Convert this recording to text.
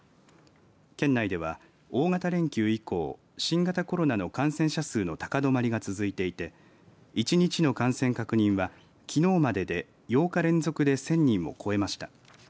県内では大型連休以降、新型コロナの感染者数の高止まりが続いていて一日の感染確認はきのうまでで８日連続で１０００人を超えました。